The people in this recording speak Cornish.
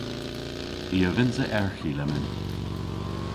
I a vynnsa erghi lemmyn.